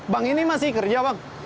bang ini masih kerja bang